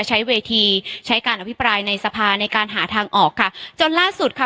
ใช้เวทีใช้การอภิปรายในสภาในการหาทางออกค่ะจนล่าสุดค่ะ